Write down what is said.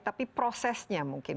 tapi prosesnya mungkin